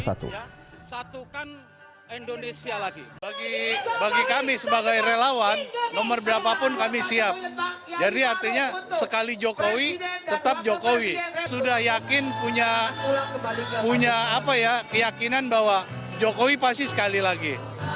satunya satukan indonesia lagi bagi kami sebagai relawan nomor berapapun kami siap jadi artinya sekali jokowi tetap jokowi sudah yakin punya keyakinan bahwa jokowi pasti sekali lagi